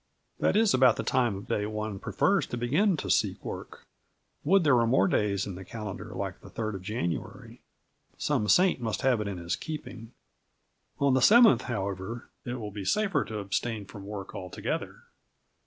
That is about the time of day one prefers to begin to "seek work"; would there were more days in the calendar like the 3rd of January. Some saint must have it in his keeping. On the 7th, however, it will be safer to abstain from work altogether.